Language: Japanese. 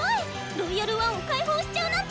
「ロイヤル・ワン」を開放しちゃうなんて。